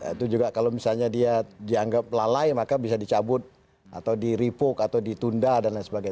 itu juga kalau misalnya dia dianggap lalai maka bisa dicabut atau diripuk atau ditunda dan lain sebagainya